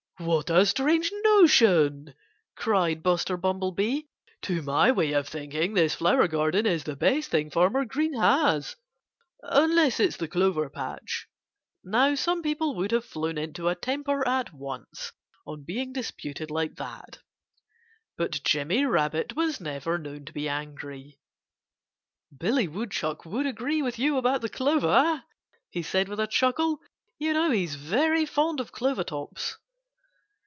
"What a strange notion!" cried Buster Bumblebee. "To my way of thinking, this flower garden is the best thing Farmer Green has unless it's the clover patch." Now, some people would have flown into a temper at once on being disputed like that. But Jimmy Rabbit was never known to be angry. "Billy Woodchuck would agree with you about the clover," he said with a chuckle. "You know he's very fond of clover tops."